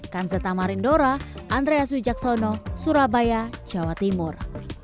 kanseta marindora andreas wijaksono surabaya jawa timur